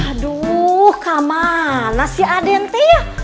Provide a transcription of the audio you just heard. aduh kamanah si adente ya